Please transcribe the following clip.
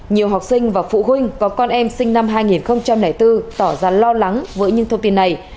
nhiều học sinh và phụ huynh có con em sinh năm hai nghìn bốn tỏ ra lo lắng với những thông tin này